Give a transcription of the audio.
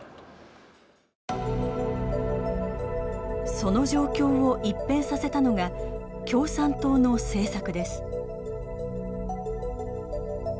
その状況を一変させたのが共産党の政策です。